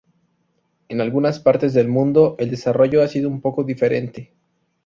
En algunas partes del mundo, el desarrollo ha sido un poco diferente.